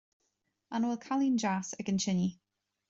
An bhfuil cailín deas ag an tine